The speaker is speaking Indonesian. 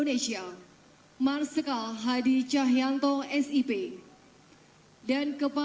terima kasih tupu tupu